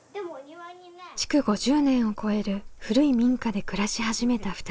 築５０年を超える古い民家で暮らし始めた２人。